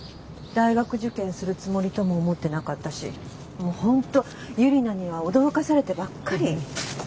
大学受験するつもりとも思ってなかったしもう本当ユリナには驚かされてばっかり。